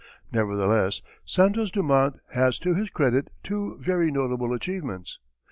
Nevertheless Santos Dumont has to his credit two very notable achievements.